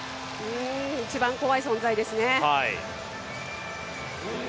一番、怖い存在ですね。